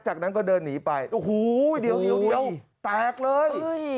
จากนั้นก็เดินหนีไปโอ้โหเดียวแตกเลย